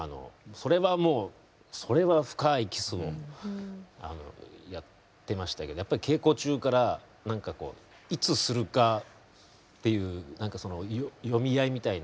それはもうそれは深いキスをやってましたけどやっぱり稽古中からなんかこういつするかっていうなんかその読み合いみたいな。